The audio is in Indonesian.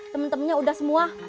temen temennya udah semua